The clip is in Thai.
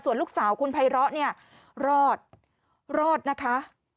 ส่วนลูกสาวคุณภัยเลาะเนี่ยรอดรอดนะคะ